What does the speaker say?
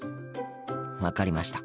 分かりました。